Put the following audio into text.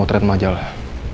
itu sangat baik